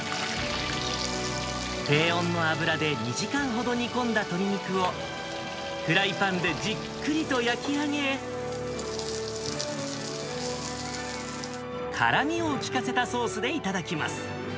低温の油で２時間ほど煮込んだ鶏肉を、フライパンでじっくりと焼き上げ、辛みをきかせたソースで頂きます。